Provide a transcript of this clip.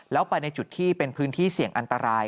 แล้วไปในจุดที่เป็นพื้นที่เสี่ยงอันตราย